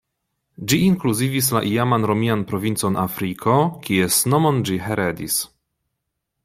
Ĝi inkluzivis la iaman romian provincon Afriko, kies nomon ĝi heredis.